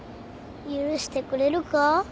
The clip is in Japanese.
許してくれるか？